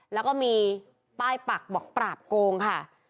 แล้วก็มีป้ายปักบอกปราบโกงค่ะ